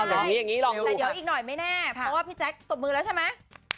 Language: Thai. แต่เดี๋ยวอีกหน่อยไม่แน่เพราะว่าพี่แจ๊คตบมือแล้วใช่มั้ย